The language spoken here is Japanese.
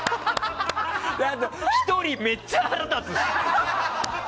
だって１人めっちゃ腹立つし。